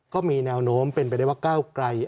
ก็มีแนวโน้มเป็นไปได้ว่าก้าวไกล